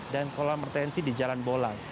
dan kolam retensi di jalan bolang